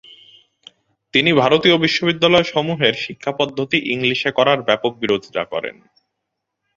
তিনি ভারতীয় বিদ্যালয়সমূহের শিক্ষাপদ্ধতি ইংলিশে করার ব্যাপক বিরোধিতা করেন।